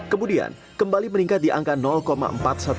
kemudian kembali meningkat di angka perusahaan